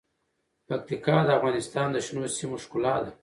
پکتیکا د افغانستان د شنو سیمو ښکلا ده.